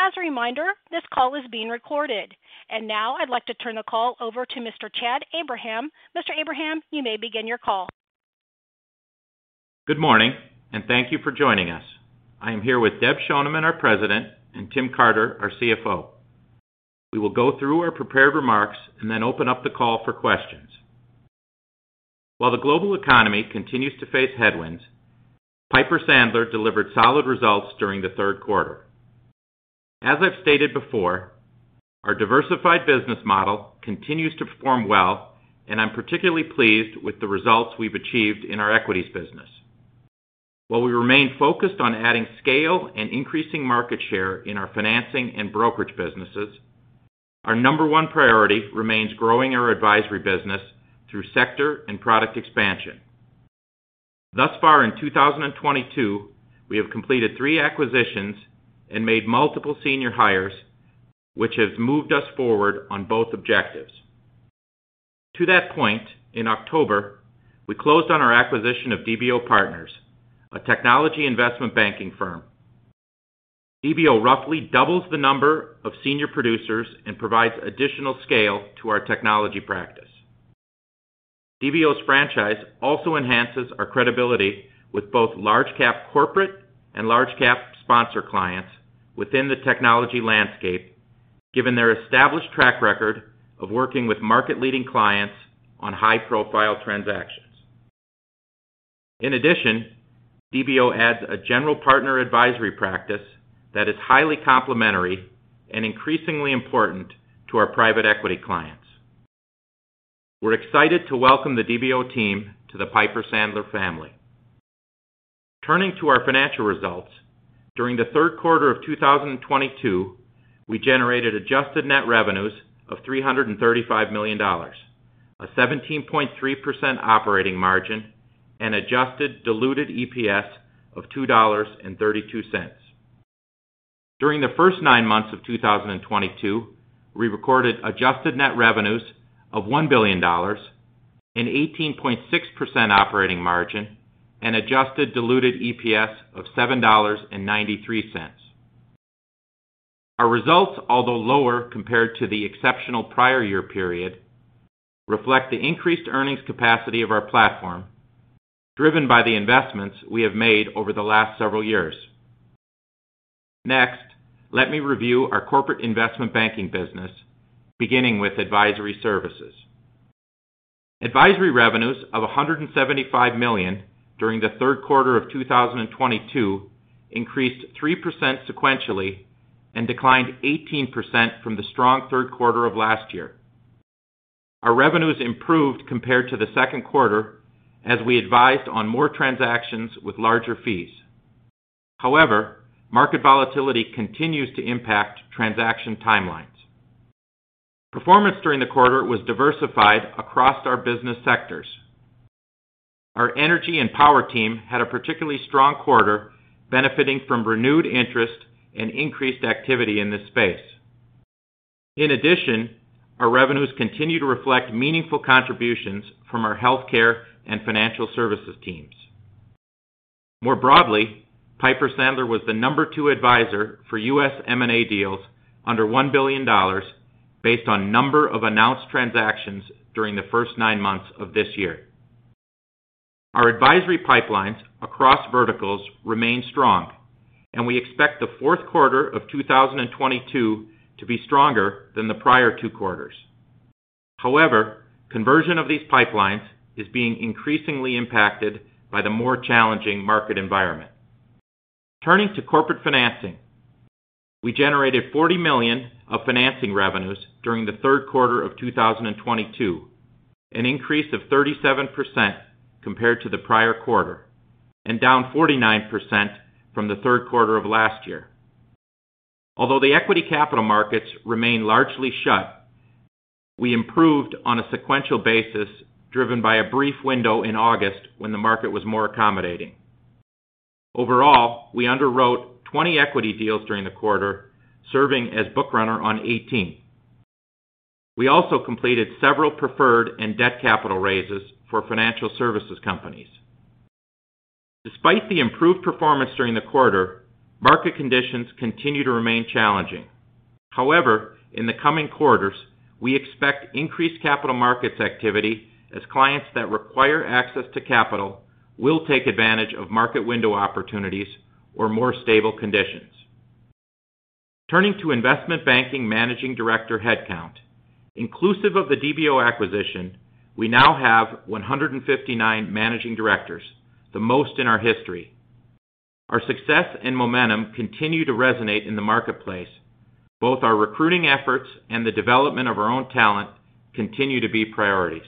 As a reminder, this call is being recorded. Now I'd like to turn the call over to Mr. Chad Abraham. Mr. Abraham, you may begin your call. Good morning, and thank you for joining us. I am here with Deb Schoneman, our President, and Tim Carter, our CFO. We will go through our prepared remarks and then open up the call for questions. While the global economy continues to face headwinds, Piper Sandler delivered solid results during the third quarter. As I've stated before, our diversified business model continues to perform well, and I'm particularly pleased with the results we've achieved in our equities business. While we remain focused on adding scale and increasing market share in our financing and brokerage businesses, our number one priority remains growing our advisory business through sector and product expansion. Thus far in 2022, we have completed three acquisitions and made multiple senior hires, which has moved us forward on both objectives. To that point, in October, we closed on our acquisition of DBO Partners, a technology investment banking firm. DBO roughly doubles the number of senior producers and provides additional scale to our technology practice. DBO's franchise also enhances our credibility with both large cap corporate and large cap sponsor clients within the technology landscape, given their established track record of working with market-leading clients on high-profile transactions. In addition, DBO adds a general partner advisory practice that is highly complementary and increasingly important to our private equity clients. We're excited to welcome the DBO team to the Piper Sandler family. Turning to our financial results, during the third quarter of 2022, we generated adjusted net revenues of $335 million, a 17.3% operating margin, and adjusted diluted EPS of $2.32. During the first nine months of 2022, we recorded adjusted net revenues of $1 billion, an 18.6% operating margin and adjusted diluted EPS of $7.93. Our results, although lower compared to the exceptional prior year period, reflect the increased earnings capacity of our platform, driven by the investments we have made over the last several years. Next, let me review our corporate investment banking business, beginning with advisory services. Advisory revenues of $175 million during the third quarter of 2022 increased 3% sequentially and declined 18% from the strong third quarter of last year. Our revenues improved compared to the second quarter as we advised on more transactions with larger fees. However, market volatility continues to impact transaction timelines. Performance during the quarter was diversified across our business sectors. Our energy and power team had a particularly strong quarter benefiting from renewed interest and increased activity in this space. In addition, our revenues continue to reflect meaningful contributions from our healthcare and financial services teams. More broadly, Piper Sandler was the No. 2 advisor for U.S. M&A deals under $1 billion based on number of announced transactions during the first nine months of this year. Our advisory pipelines across verticals remain strong, and we expect the fourth quarter of 2022 to be stronger than the prior two quarters. However, conversion of these pipelines is being increasingly impacted by the more challenging market environment. Turning to corporate financing, we generated $40 million of financing revenues during the third quarter of 2022, an increase of 37% compared to the prior quarter and down 49% from the third quarter of last year. Although the equity capital markets remain largely shut, we improved on a sequential basis, driven by a brief window in August when the market was more accommodating. Overall, we underwrote 20 equity deals during the quarter, serving as book runner on 18. We also completed several preferred and debt capital raises for financial services companies. Despite the improved performance during the quarter, market conditions continue to remain challenging. However, in the coming quarters, we expect increased capital markets activity as clients that require access to capital will take advantage of market window opportunities or more stable conditions. Turning to investment banking managing director headcount. Inclusive of the DBO Partners acquisition, we now have 159 Managing Directors, the most in our history. Our success and momentum continue to resonate in the marketplace. Both our recruiting efforts and the development of our own talent continue to be priorities.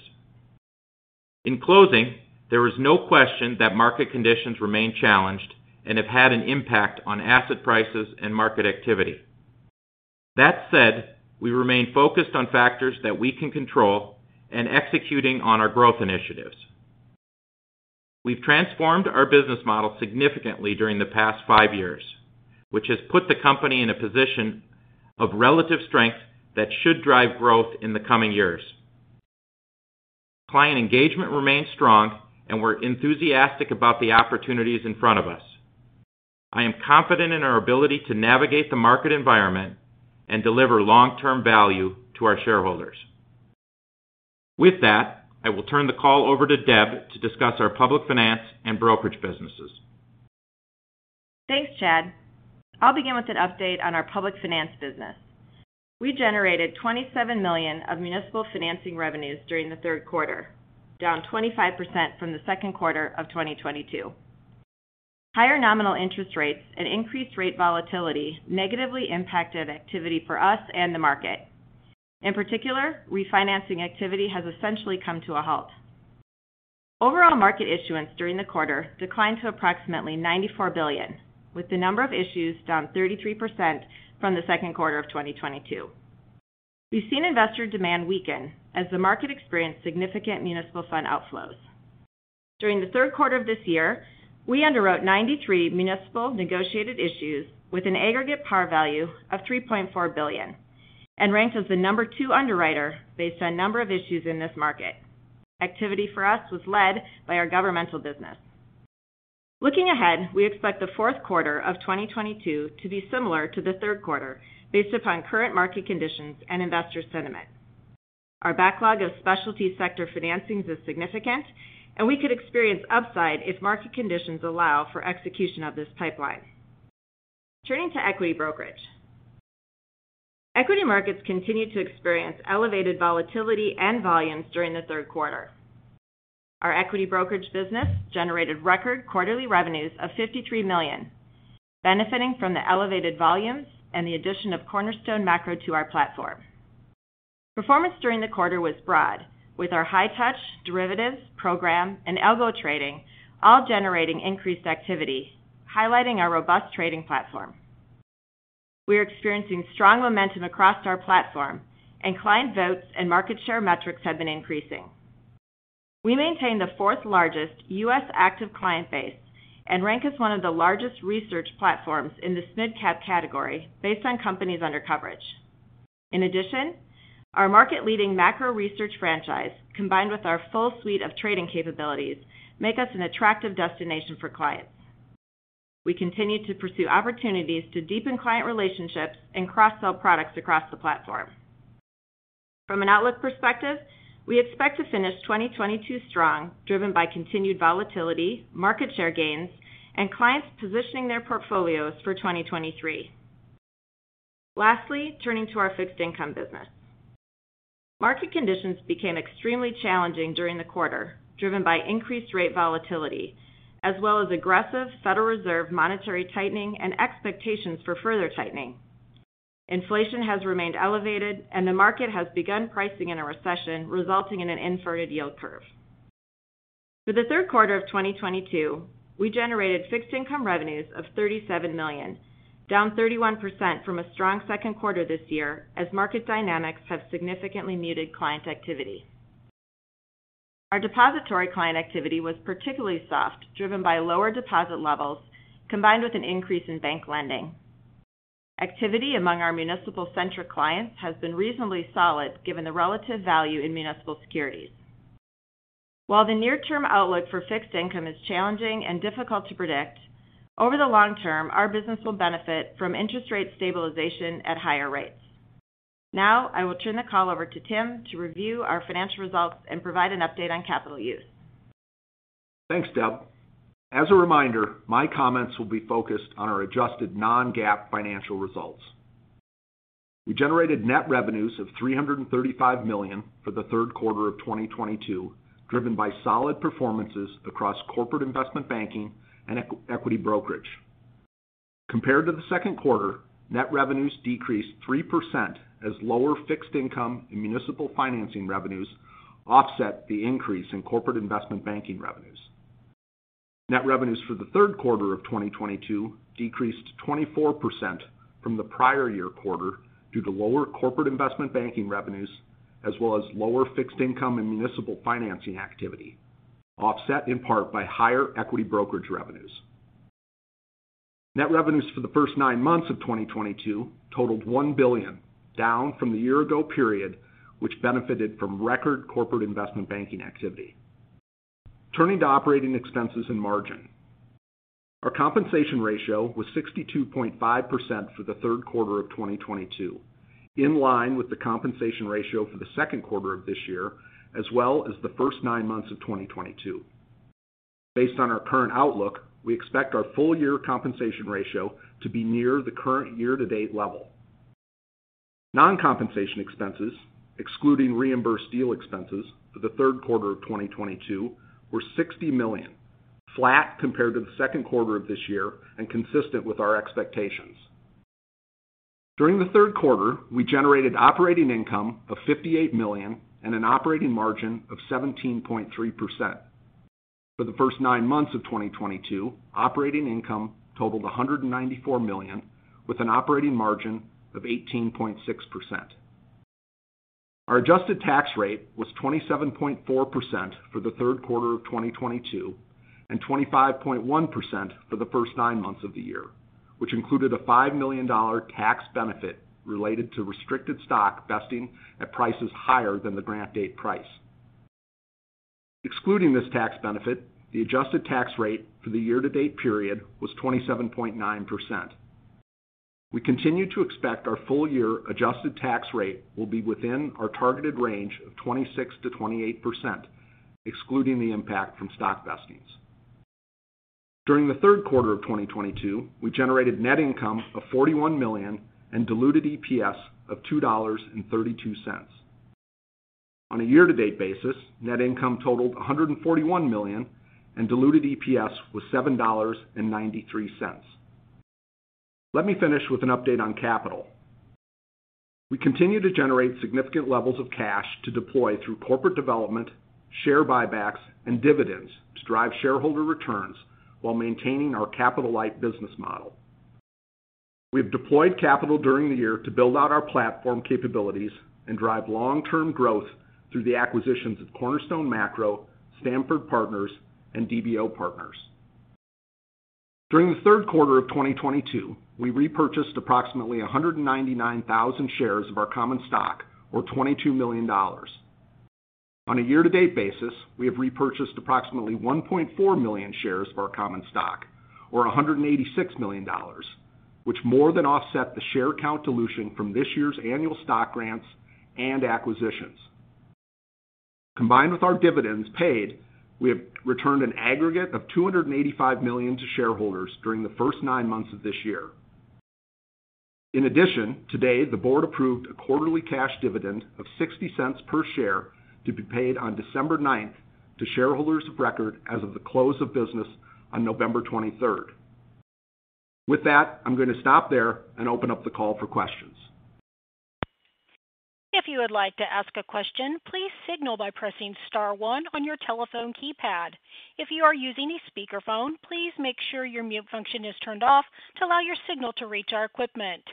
In closing, there is no question that market conditions remain challenged and have had an impact on asset prices and market activity. That said, we remain focused on factors that we can control and executing on our growth initiatives. We've transformed our business model significantly during the past five years, which has put the company in a position of relative strength that should drive growth in the coming years. Client engagement remains strong, and we're enthusiastic about the opportunities in front of us. I am confident in our ability to navigate the market environment and deliver long-term value to our shareholders. With that, I will turn the call over to Deb to discuss our public finance and brokerage businesses. Thanks, Chad. I'll begin with an update on our public finance business. We generated $27 million of municipal financing revenues during the third quarter, down 25% from the second quarter of 2022. Higher nominal interest rates and increased rate volatility negatively impacted activity for us and the market. In particular, refinancing activity has essentially come to a halt. Overall market issuance during the quarter declined to approximately $94 billion, with the number of issues down 33% from the second quarter of 2022. We've seen investor demand weaken as the market experienced significant municipal fund outflows. During the third quarter of this year, we underwrote 93 municipal negotiated issues with an aggregate par value of $3.4 billion and ranked as the number two underwriter based on number of issues in this market. Activity for us was led by our governmental business. Looking ahead, we expect the fourth quarter of 2022 to be similar to the third quarter based upon current market conditions and investor sentiment. Our backlog of specialty sector financings is significant, and we could experience upside if market conditions allow for execution of this pipeline. Turning to equity brokerage. Equity markets continued to experience elevated volatility and volumes during the third quarter. Our equity brokerage business generated record quarterly revenues of $53 million, benefiting from the elevated volumes and the addition of Cornerstone Macro to our platform. Performance during the quarter was broad with our high touch, derivatives, program, and algo trading all generating increased activity, highlighting our robust trading platform. We are experiencing strong momentum across our platform, and client flows and market share metrics have been increasing. We maintain the fourth-largest U.S. active client base and rank as one of the largest research platforms in the SMID cap category based on companies under coverage. In addition, our market-leading macro research franchise, combined with our full suite of trading capabilities, make us an attractive destination for clients. We continue to pursue opportunities to deepen client relationships and cross-sell products across the platform. From an outlook perspective, we expect to finish 2022 strong, driven by continued volatility, market share gains, and clients positioning their portfolios for 2023. Lastly, turning to our fixed income business. Market conditions became extremely challenging during the quarter, driven by increased rate volatility as well as aggressive Federal Reserve monetary tightening and expectations for further tightening. Inflation has remained elevated, and the market has begun pricing in a recession, resulting in an inverted yield curve. For the third quarter of 2022, we generated fixed income revenues of $37 million, down 31% from a strong second quarter this year as market dynamics have significantly muted client activity. Our depository client activity was particularly soft, driven by lower deposit levels combined with an increase in bank lending. Activity among our municipal-centric clients has been reasonably solid given the relative value in municipal securities. While the near-term outlook for fixed income is challenging and difficult to predict, over the long term, our business will benefit from interest rate stabilization at higher rates. Now, I will turn the call over to Tim to review our financial results and provide an update on capital use. Thanks, Deb. As a reminder, my comments will be focused on our adjusted non-GAAP financial results. We generated net revenues of $335 million for the third quarter of 2022, driven by solid performances across corporate investment banking and equity brokerage. Compared to the second quarter, net revenues decreased 3% as lower fixed income and municipal financing revenues offset the increase in corporate investment banking revenues. Net revenues for the third quarter of 2022 decreased 24% from the prior year quarter due to lower corporate investment banking revenues as well as lower fixed income and municipal financing activity, offset in part by higher equity brokerage revenues. Net revenues for the first nine months of 2022 totaled $1 billion, down from the year ago period, which benefited from record corporate investment banking activity. Turning to operating expenses and margin. Our compensation ratio was 62.5% for the third quarter of 2022, in line with the compensation ratio for the second quarter of this year as well as the first nine months of 2022. Based on our current outlook, we expect our full year compensation ratio to be near the current year-to-date level. Non-compensation expenses, excluding reimbursed deal expenses for the third quarter of 2022, were $60 million, flat compared to the second quarter of this year and consistent with our expectations. During the third quarter, we generated operating income of $58 million and an operating margin of 17.3%. For the first nine months of 2022, operating income totaled $194 million, with an operating margin of 18.6%. Our adjusted tax rate was 27.4%. For the third quarter of 2022 and 25.1% for the first nine months of the year, which included a $5 million tax benefit related to restricted stock vesting at prices higher than the grant date price. Excluding this tax benefit, the adjusted tax rate for the year-to-date period was 27.9%. We continue to expect our full year adjusted tax rate will be within our targeted range of 26%-28%, excluding the impact from stock vestings. During the third quarter of 2022, we generated net income of $41 million and diluted EPS of $2.32. On a year-to-date basis, net income totaled $141 million, and diluted EPS was $7.93. Let me finish with an update on capital. We continue to generate significant levels of cash to deploy through corporate development, share buybacks and dividends to drive shareholder returns while maintaining our capital-light business model. We have deployed capital during the year to build out our platform capabilities and drive long-term growth through the acquisitions of Cornerstone Macro, Stamford Partners, and DBO Partners. During the third quarter of 2022, we repurchased approximately 199,000 shares of our common stock, or $22 million. On a year-to-date basis, we have repurchased approximately 1.4 million shares of our common stock or $186 million, which more than offset the share count dilution from this year's annual stock grants and acquisitions. Combined with our dividends paid, we have returned an aggregate of $285 million to shareholders during the first nine months of this year. In addition, today, the board approved a quarterly cash dividend of $0.60 per share to be paid on December 9th to shareholders of record as of the close of business on November twenty-third. With that, I'm gonna stop there and open up the call for questions. If you would like to ask a question, please signal by pressing star one on your telephone keypad. If you are using a speakerphone, please make sure your mute function is turned off to allow your signal to reach our equipment.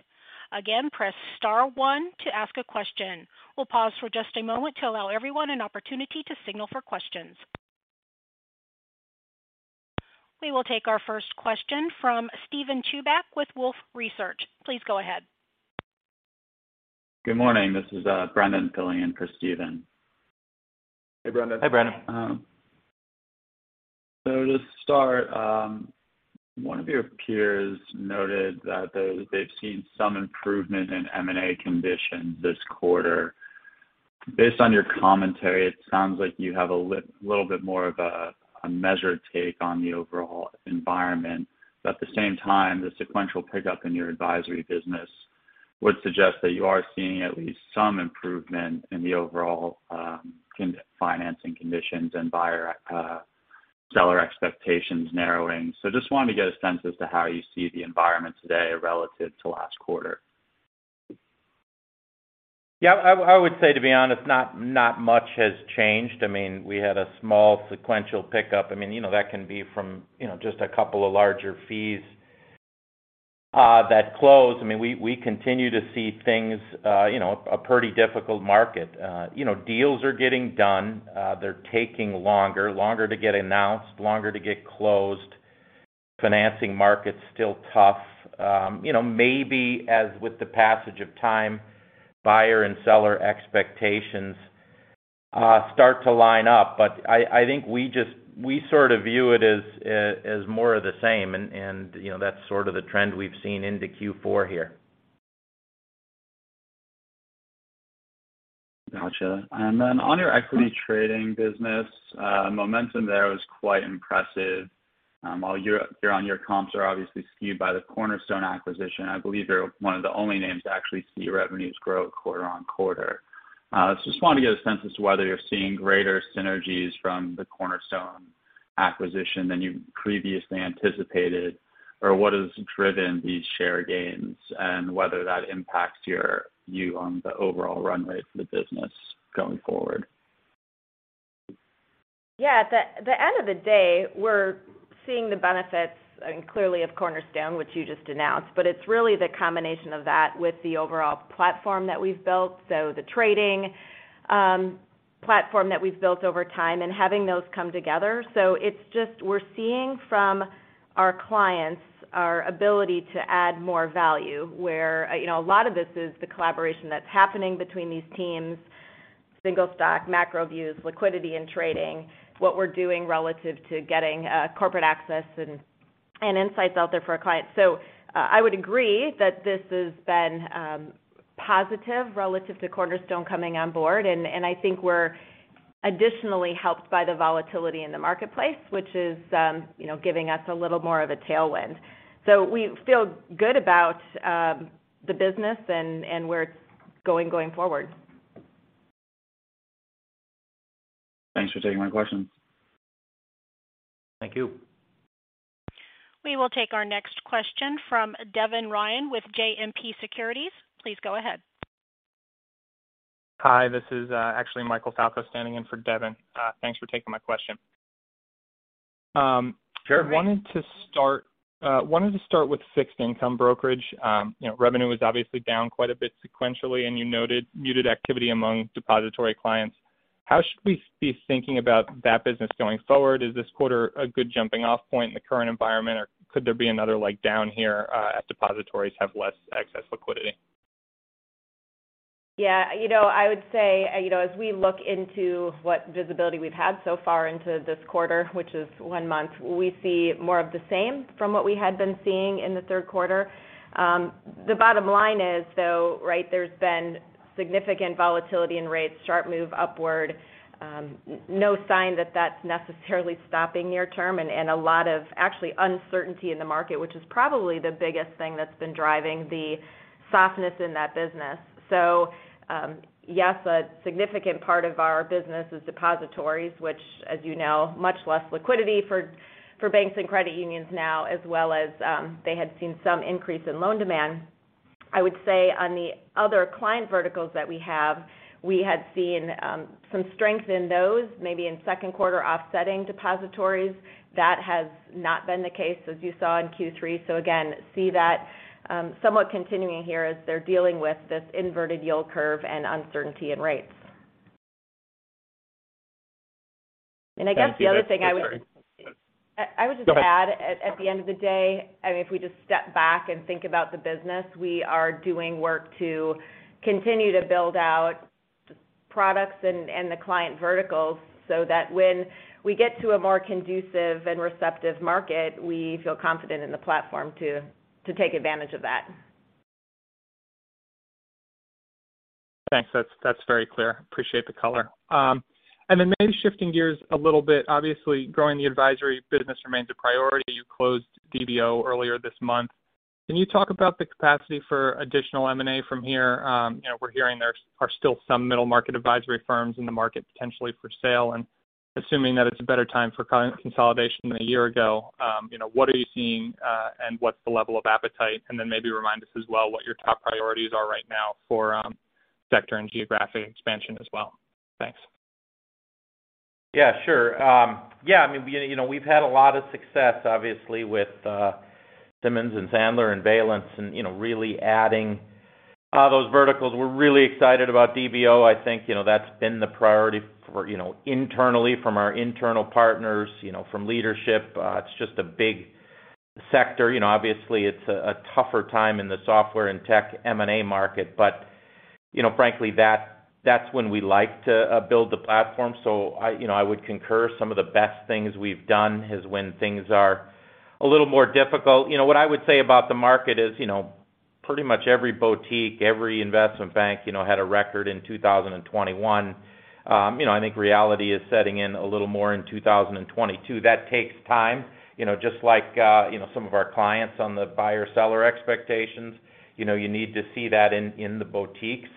Again, press star one to ask a question. We'll pause for just a moment to allow everyone an opportunity to signal for questions. We will take our first question from Steven Chubak with Wolfe Research. Please go ahead. Good morning. This is Brendan filling in for Steven. Hey, Brendan. Hi, Brendan. To start, one of your peers noted that they've seen some improvement in M&A conditions this quarter. Based on your commentary, it sounds like you have a little bit more of a measured take on the overall environment. At the same time, the sequential pickup in your advisory business would suggest that you are seeing at least some improvement in the overall financing conditions and buyer seller expectations narrowing. Just wanted to get a sense as to how you see the environment today relative to last quarter. Yeah, I would say to be honest, not much has changed. I mean, we had a small sequential pickup. I mean, you know, that can be from, you know, just a couple of larger fees that closed. I mean, we continue to see things, you know, a pretty difficult market. You know, deals are getting done. They're taking longer to get announced, longer to get closed. Financing market's still tough. You know, maybe as with the passage of time, buyer and seller expectations start to line up. But I think we just sort of view it as more of the same and, you know, that's sort of the trend we've seen into Q4 here. Gotcha. On your equity trading business, momentum there was quite impressive. While your comps are obviously skewed by the Cornerstone acquisition, I believe you're one of the only names to actually see revenues grow quarter on quarter. Just wanted to get a sense as to whether you're seeing greater synergies from the Cornerstone acquisition than you previously anticipated, or what has driven these share gains and whether that impacts your view on the overall runway for the business going forward. Yeah. At the end of the day, we're seeing the benefits and clearly of Cornerstone, which you just announced, but it's really the combination of that with the overall platform that we've built. The trading platform that we've built over time and having those come together. It's just we're seeing from our clients our ability to add more value where, you know, a lot of this is the collaboration that's happening between these teams, single stock, macro views, liquidity and trading, what we're doing relative to getting corporate access and insights out there for our clients. I would agree that this has been positive relative to Cornerstone coming on board. I think we're additionally helped by the volatility in the marketplace, which is, you know, giving us a little more of a tailwind. We feel good about the business and where it's going forward. Thanks for taking my question. Thank you. We will take our next question from Devin Ryan with JMP Securities. Please go ahead. Hi, this is actually Michael Falco standing in for Devin. Thanks for taking my question. I wanted to start with fixed income brokerage. You know, revenue is obviously down quite a bit sequentially, and you noted muted activity among depository clients. How should we be thinking about that business going forward? Is this quarter a good jumping off point in the current environment, or could there be another like down here as depositories have less excess liquidity? Yeah. You know, I would say, you know, as we look into what visibility we've had so far into this quarter, which is one month, we see more of the same from what we had been seeing in the third quarter. The bottom line is though, right, there's been significant volatility in rates, sharp move upward, no sign that that's necessarily stopping near term and a lot of actually uncertainty in the market, which is probably the biggest thing that's been driving the softness in that business. Yes, a significant part of our business is depositories, which as you know, much less liquidity for banks and credit unions now, as well as they had seen some increase in loan demand. I would say on the other client verticals that we have, we had seen some strength in those, maybe in second quarter offsetting depositories that has not been the case as you saw in Q3. Again, see that somewhat continuing here as they're dealing with this inverted yield curve and uncertainty in rates. I guess the other thing I would Go ahead. I would just add at the end of the day, I mean, if we just step back and think about the business, we are doing work to continue to build out products and the client verticals so that when we get to a more conducive and receptive market, we feel confident in the platform to take advantage of that. Thanks. That's very clear. Appreciate the color. Maybe shifting gears a little bit, obviously growing the advisory business remains a priority. You closed DBO earlier this month. Can you talk about the capacity for additional M&A from here? You know, we're hearing there are still some middle market advisory firms in the market potentially for sale. Assuming that it's a better time for consolidation than a year ago, you know, what are you seeing, and what's the level of appetite? Maybe remind us as well, what your top priorities are right now for sector and geographic expansion as well. Thanks. Yeah, sure. Yeah, I mean, you know, we've had a lot of success obviously with Simmons and Sandler and Valence and, you know, really adding those verticals. We're really excited about DBO. I think, you know, that's been the priority for, you know, internally from our internal partners, you know, from leadership. It's just a big sector. You know, obviously it's a tougher time in the software and tech M&A market. You know, frankly, that's when we like to build the platform. I, you know, I would concur some of the best things we've done is when things are a little more difficult. You know, what I would say about the market is, you know, pretty much every boutique, every investment bank, you know, had a record in 2021. You know, I think reality is setting in a little more in 2022. That takes time, you know, just like you know, some of our clients on the buyer-seller expectations. You know, you need to see that in the boutiques.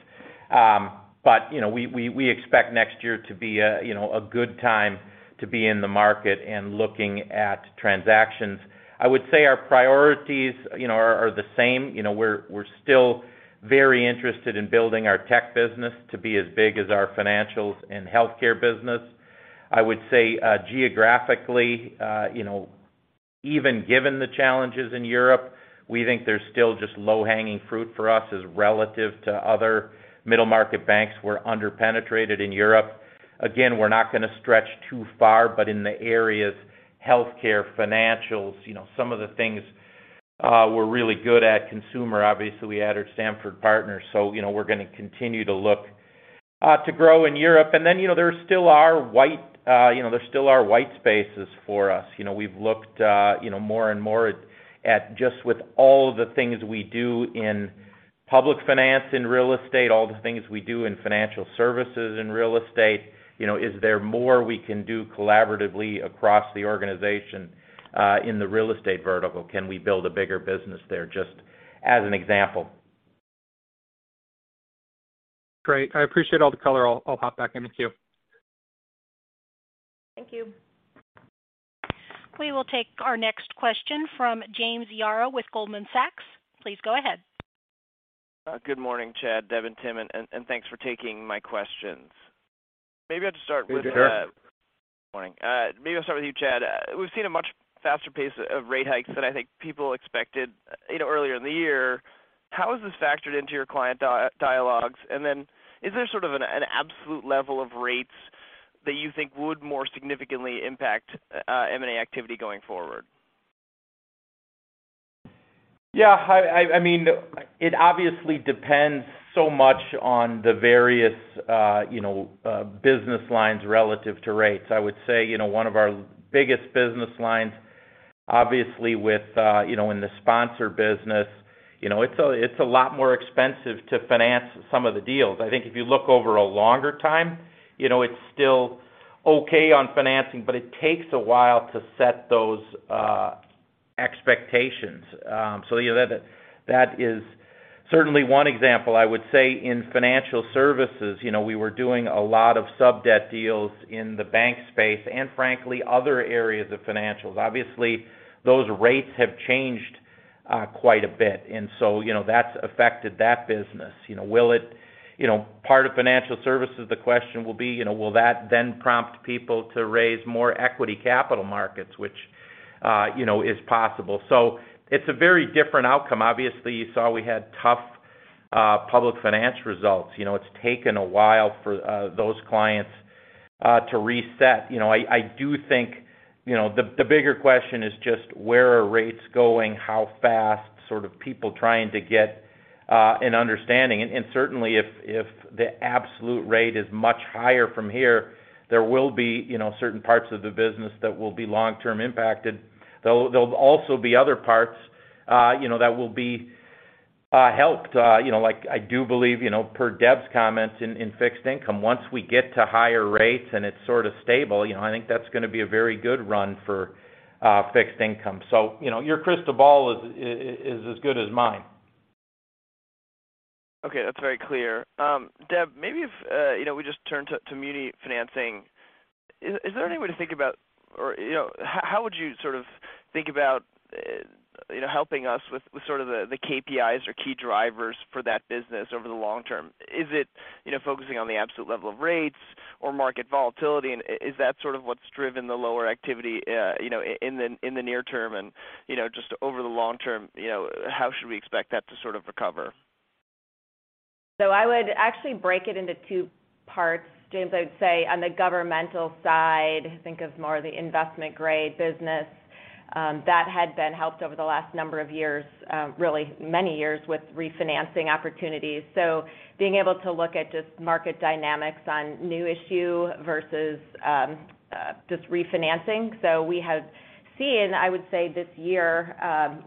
You know, we expect next year to be a good time to be in the market and looking at transactions. I would say our priorities, you know, are the same. You know, we're still very interested in building our tech business to be as big as our financials and healthcare business. I would say, you know, even given the challenges in Europe, we think there's still just low-hanging fruit for us as relative to other middle-market banks who are under-penetrated in Europe. Again, we're not gonna stretch too far, but in the areas healthcare, financials, you know, some of the things, we're really good at consumer. Obviously, we added Stamford Partners, so you know, we're gonna continue to look to grow in Europe. Then, you know, there still are white spaces for us. You know, we've looked, you know, more and more at just with all the things we do in public finance and real estate, all the things we do in financial services and real estate. You know, is there more we can do collaboratively across the organization in the real estate vertical? Can we build a bigger business there? Just as an example. Great. I appreciate all the color. I'll hop back in the queue. Thank you. We will take our next question from James Yaro with Goldman Sachs. Please go ahead. Good morning, Chad, Devin, Tim, and thanks for taking my questions. Maybe I have to start with, Hey, good morning. Morning. Maybe I'll start with you, Chad. We've seen a much faster pace of rate hikes than I think people expected, you know, earlier in the year. How has this factored into your client dialogues? Is there sort of an absolute level of rates that you think would more significantly impact M&A activity going forward? Yeah, I mean, it obviously depends so much on the various, you know, business lines relative to rates. I would say, you know, one of our biggest business lines, obviously with, you know, in the sponsor business. You know, it's a lot more expensive to finance some of the deals. I think if you look over a longer time, you know, it's still okay on financing, but it takes a while to set those expectations. You know, that is certainly one example. I would say in financial services, you know, we were doing a lot of sub-debt deals in the bank space and frankly other areas of financials. Obviously, those rates have changed quite a bit. You know, that's affected that business. You know, will it. You know, part of financial services, the question will be, you know, will that then prompt people to raise more equity capital markets, which, you know, is possible. It's a very different outcome. Obviously, you saw we had tough public finance results. You know, it's taken a while for those clients to reset. You know, I do think, you know, the bigger question is just where are rates going, how fast, sort of people trying to get an understanding. Certainly if the absolute rate is much higher from here, there will be, you know, certain parts of the business that will be long-term impacted. There'll also be other parts, you know, that will be helped, you know, like I do believe, you know, per Deb's comments in fixed income. Once we get to higher rates and it's sort of stable, you know, I think that's gonna be a very good run for fixed income. You know, your crystal ball is as good as mine. Okay, that's very clear. Deb, maybe if you know, we just turn to muni financing. Or, you know, how would you sort of think about, you know, helping us with sort of the KPIs or key drivers for that business over the long term? Is it, you know, focusing on the absolute level of rates or market volatility? Is that sort of what's driven the lower activity, you know, in the near term and, you know, just over the long term, you know, how should we expect that to sort of recover? I would actually break it into two parts, James. I would say on the governmental side, think of more the investment-grade business that had been helped over the last number of years, really many years, with refinancing opportunities. Being able to look at just market dynamics on new issue versus just refinancing. We have seen, I would say this year,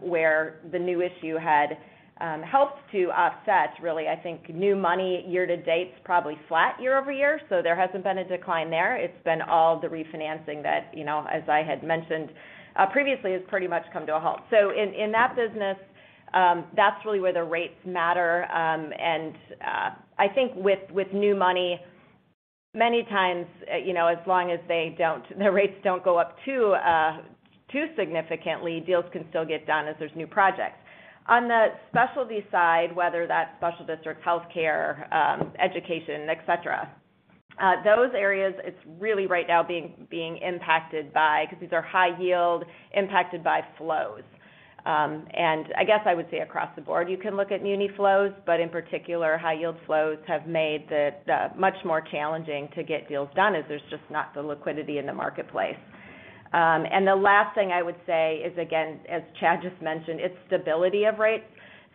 where the new issue had helped to offset really, I think, new money year to date is probably flat year-over-year. There hasn't been a decline there. It's been all the refinancing that, you know, as I had mentioned, previously has pretty much come to a halt. In that business, that's really where the rates matter. I think with new money, many times, you know, as long as the rates don't go up too significantly, deals can still get done as there's new projects. On the specialty side, whether that's special district, healthcare, education, et cetera, those areas, it's really right now being impacted by, because these are high-yield, impacted by flows. I guess I would say across the board, you can look at muni flows, but in particular, high-yield flows have made much more challenging to get deals done as there's just not the liquidity in the marketplace. The last thing I would say is, again, as Chad just mentioned, it's stability of rates.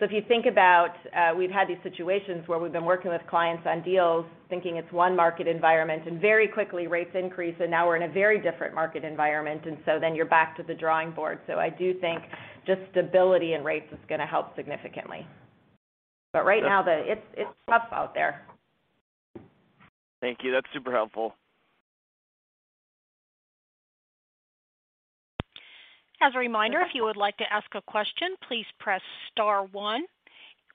If you think about, we've had these situations where we've been working with clients on deals thinking it's one market environment, and very quickly rates increase, and now we're in a very different market environment. You're back to the drawing board. I do think just stability in rates is going to help significantly. Right now, it's tough out there. Thank you. That's super helpful. As a reminder, if you would like to ask a question, please press star one.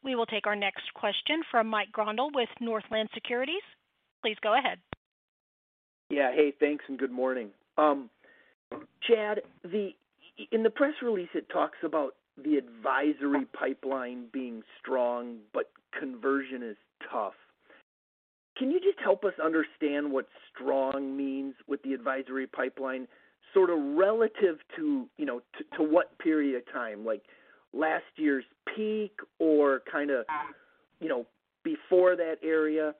We will take our next question from Mike Grondahl with Northland Securities. Please go ahead. Yeah. Hey, thanks, and good morning. Chad, in the press release, it talks about the advisory pipeline being strong, but conversion is tough. Can you just help us understand what strong means with the advisory pipeline, sort of relative to, you know, to what period of time? Like last year's peak or kind of, you know, before that era.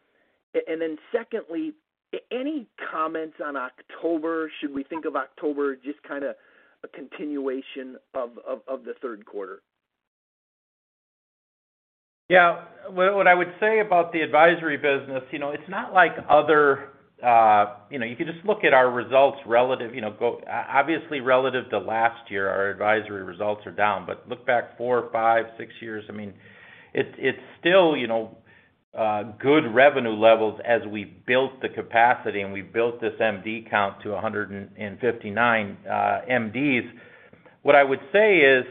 Then secondly, any comments on October? Should we think of October just kind of a continuation of the third quarter? Yeah. What I would say about the advisory business, you know, it's not like other, you know, you can just look at our results relative, you know, obviously, relative to last year, our advisory results are down. Look back four, five, six years, I mean, it's still, you know, good revenue levels as we built the capacity and we built this MD count to 159 MDs. What I would say is,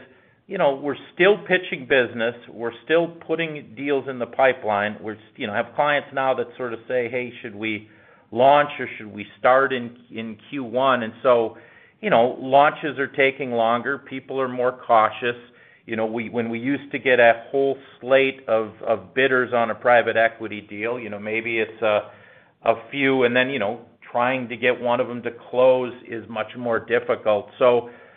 you know, we're still pitching business. We're still putting deals in the pipeline. We have clients now that sort of say, "Hey, should we launch, or should we start in Q1?" You know, launches are taking longer. People are more cautious. You know, when we used to get a whole slate of bidders on a private equity deal, you know, maybe it's a few. You know, trying to get one of them to close is much more difficult.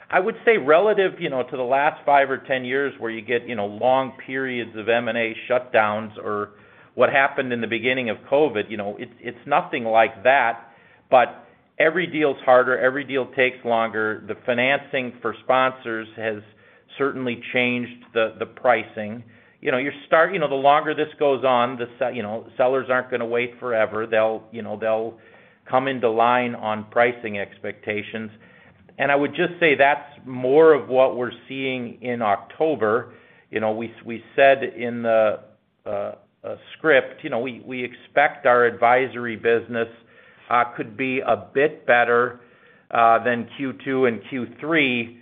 I would say relative, you know, to the last five or 10 years where you get, you know, long periods of M&A shutdowns or what happened in the beginning of COVID, you know, it's nothing like that. Every deal is harder, every deal takes longer. The financing for sponsors has certainly changed the pricing. You know, the longer this goes on, you know, sellers aren't going to wait forever. They'll, you know, come into line on pricing expectations. I would just say that's more of what we're seeing in October. You know, we said in the script, you know, we expect our advisory business could be a bit better than Q2 and Q3.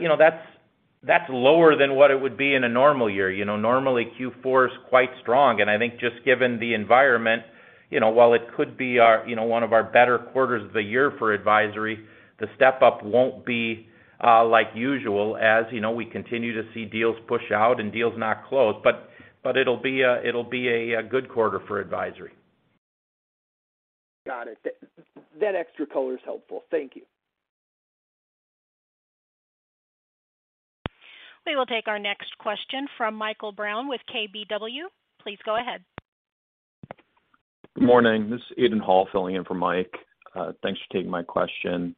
You know, that's lower than what it would be in a normal year. You know, normally Q4 is quite strong. I think just given the environment, you know, while it could be our, you know, one of our better quarters of the year for advisory, the step up won't be like usual. As you know, we continue to see deals push out and deals not close, but it'll be a good quarter for advisory. Got it. That extra color is helpful. Thank you. We will take our next question from Michael Brown with KBW. Please go ahead. Good morning. This is Aidan Hall filling in for Mike. Thanks for taking my question.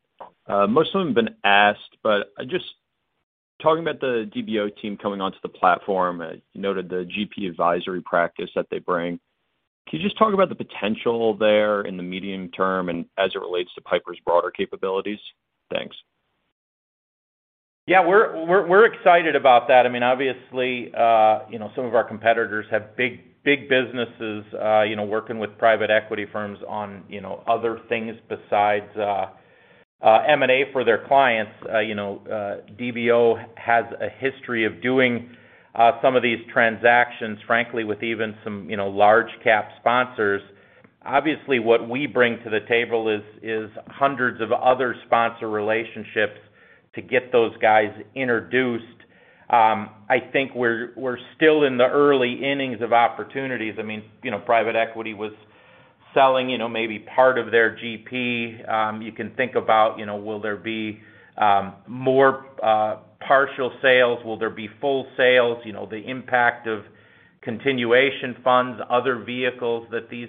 Most of them have been asked, but just talking about the DBO team coming onto the platform, you noted the GP advisory practice that they bring. Can you just talk about the potential there in the medium term and as it relates to Piper's broader capabilities? Thanks. Yeah, we're excited about that. I mean, obviously, you know, some of our competitors have big businesses, you know, working with private equity firms on, you know, other things besides M&A for their clients. You know, DBO has a history of doing some of these transactions, frankly, with even some, you know, large cap sponsors. Obviously, what we bring to the table is hundreds of other sponsor relationships to get those guys introduced. I think we're still in the early innings of opportunities. I mean, you know, private equity was selling, you know, maybe part of their GP. You can think about, you know, will there be more partial sales? Will there be full sales? You know, the impact of continuation funds, other vehicles that these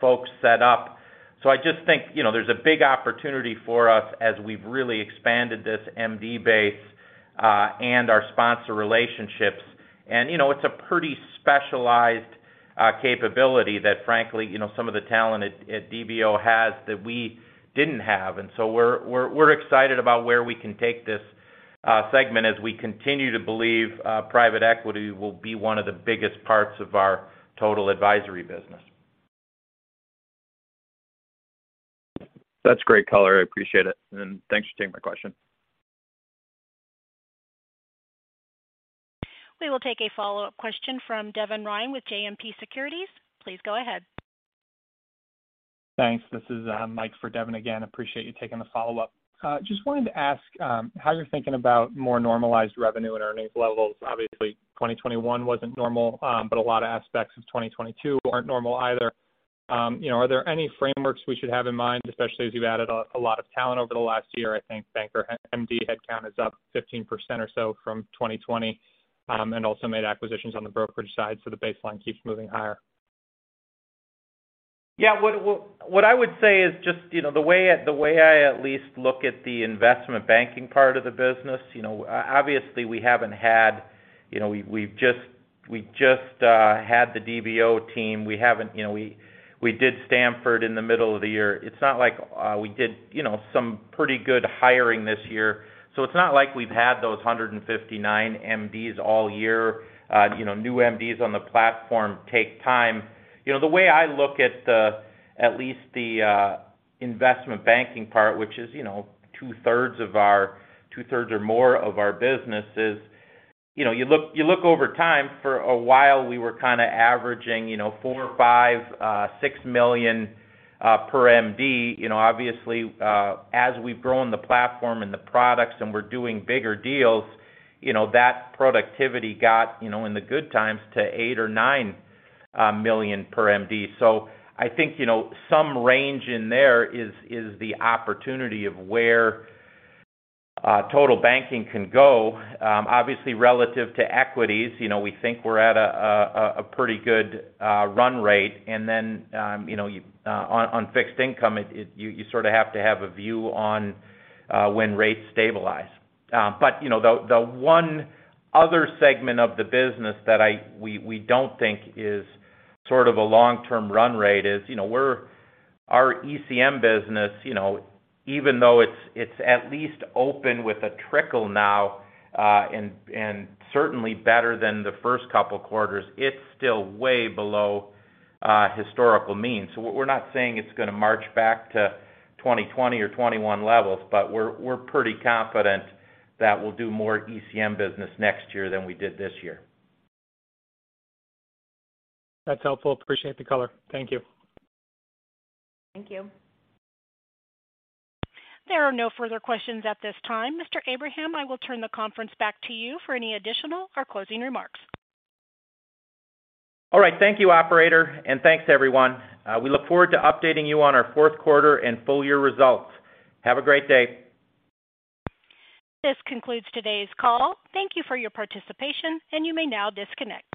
folks set up. I just think, you know, there's a big opportunity for us as we've really expanded this MD base and our sponsor relationships. You know, it's a pretty specialized capability that frankly, you know, some of the talent at DBO has that we didn't have. We're excited about where we can take this segment as we continue to believe private equity will be one of the biggest parts of our total advisory business. That's great color. I appreciate it. Thanks for taking my question. We will take a follow-up question from Devin Ryan with JMP Securities. Please go ahead. Thanks. This is Mike for Devin again. Appreciate you taking the follow-up. Just wanted to ask how you're thinking about more normalized revenue and earnings levels. Obviously, 2021 wasn't normal, but a lot of aspects of 2022 aren't normal either. You know, are there any frameworks we should have in mind, especially as you've added a lot of talent over the last year? I think banker MD headcount is up 15% or so from 2020, and also made acquisitions on the brokerage side, so the baseline keeps moving higher. Yeah. What I would say is just, you know, the way I at least look at the investment banking part of the business, you know, obviously we haven't had. You know, we've just had the DBO team. We haven't, you know, we did Stamford in the middle of the year. It's not like we did, you know, some pretty good hiring this year. It's not like we've had those 159 MDs all year. You know, new MDs on the platform take time. You know, the way I look at least the investment banking part, which is, you know, two-thirds or more of our business, you know, you look over time. For a while we were kinda averaging you know, $4, $5, $6 million per MD. You know, obviously, as we've grown the platform and the products and we're doing bigger deals, you know, that productivity got, you know, in the good times to $8 million or $9 million per MD. I think, you know, some range in there is the opportunity of where total banking can go. Obviously, relative to equities, you know, we think we're at a pretty good run rate. You know, on fixed income, you sort of have to have a view on when rates stabilize. You know, the one other segment of the business that we don't think is sort of a long-term run rate is, you know, our ECM business, you know, even though it's at least open with a trickle now, and certainly better than the first couple quarters, it's still way below historical means. We're not saying it's gonna march back to 2020 or 2021 levels, but we're pretty confident that we'll do more ECM business next year than we did this year. That's helpful. Appreciate the color. Thank you. Thank you. There are no further questions at this time. Mr. Abraham, I will turn the conference back to you for any additional or closing remarks. All right. Thank you, operator, and thanks everyone. We look forward to updating you on our fourth quarter and full year results. Have a great day. This concludes today's call. Thank you for your participation, and you may now disconnect.